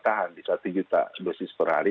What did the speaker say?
tahan di satu juta dosis per hari